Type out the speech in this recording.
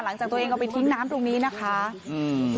หลังจากตัวเองเอาไปทิ้งน้ำตรงนี้นะคะอืม